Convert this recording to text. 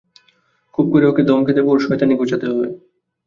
খুব করে ওকে ধমকে দেব, ওর শয়তানি ঘোচাতে হবে।